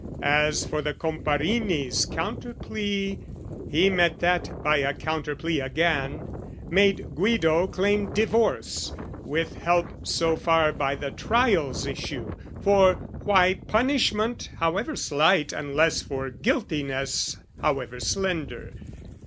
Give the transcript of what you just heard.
As for the Comparini's counter plea, He met that by a counter plea again, Made Guido claim divorce with help so far By the trial's issue: for, why punishment However slight unless for guiltiness However slender?